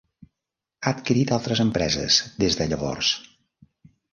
Ha adquirit altres empreses des de llavors.